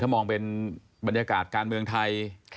มองเป็นบรรยากาศการเมืองไทย